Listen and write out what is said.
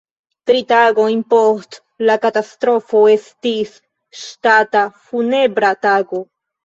Tri tagojn post la katastrofo estis ŝtata funebra tago.